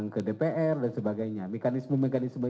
ke dpr dan sebagainya mekanisme mekanisme